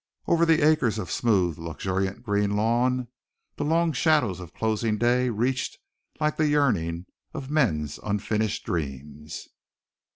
Over the acres of smooth, luxuriant green lawn, the long shadows of closing day reached like the yearning of men's unfinished dreams.